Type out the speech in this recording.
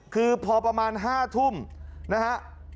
คือพอประมาณ๕ทุ่มนะฮะ